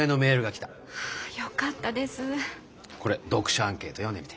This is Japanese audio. これ読者アンケート読んでみて。